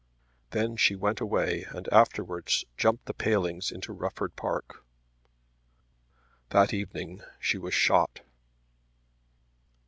Then she went away and afterwards jumped the palings into Rufford Park. That evening she was shot.